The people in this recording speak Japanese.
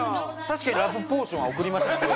確かにラブポーションは贈りました。